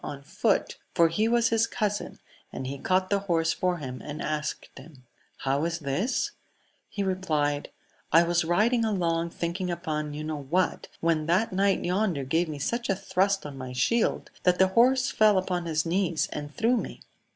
199 foot, for he was his cousin, and he caught the horse for him, and asked him, How is this 1 He replied, I was riding along thinking upon you know what, when that knight yonder gave me such a thrust on my shield that the horse fell upon his knees and threw me.